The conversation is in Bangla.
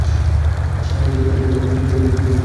তিনি পুনরায় নিজেকে বোলার হিসেবে উপস্থাপনায় সচেষ্ট হন।